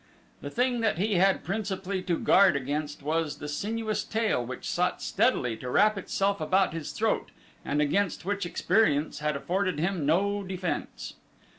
The thing that he had principally to guard against was the sinuous tail which sought steadily to wrap itself about his throat and against which experience had afforded him no defense.